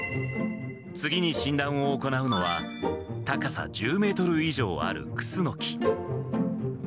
次に診断を行うのは、高さ１０メートル以上あるクスノキ。